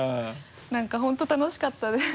何か本当楽しかったです。